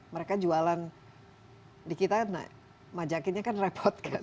mereka jualan di kita majakinya kan repot kan